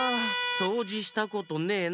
そうじしたことねえな？